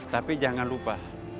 tapi jangan lupa